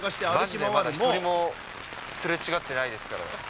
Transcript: まじでまだ１人もすれ違ってないですから。